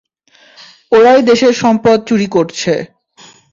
ওরাই দেশের সম্পদ চুরি করছে।